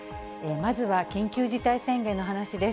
まずは緊急事態宣言の話です。